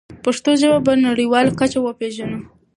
پښتو ژبه په نړیواله کچه وپېژنو.